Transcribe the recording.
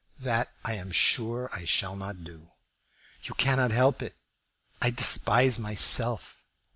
"That I am sure I shall not do." "You cannot help it. I despise myself.